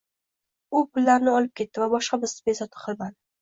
U pullarni olib ketdi va boshqa bizni bezovta qilmadi.